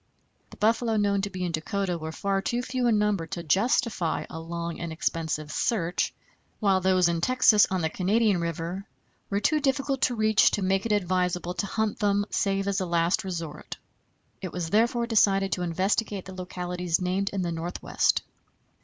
The buffalo known to be in Dakota were far too few in number to justify a long and expensive search, while those in Texas, on the Canadian River, were too difficult to reach to make it advisable to hunt them save as a last resort. It was therefore decided to investigate the localities named in the Northwest.